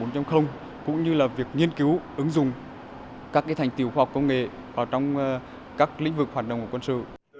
cũng như là việc nghiên cứu ứng dụng các thành tiệu khoa học công nghệ vào trong các lĩnh vực hoạt động của quân sự